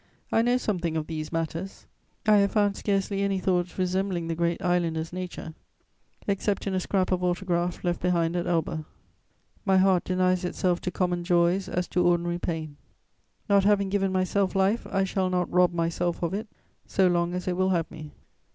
I know something of these matters; I have found scarcely any thoughts resembling the great islander's nature, except in a scrap of autograph left behind at Elba: "My heart denies itself to common joys as to ordinary pain." "Not having given myself life, I shall not rob myself of it, so long as it will have me."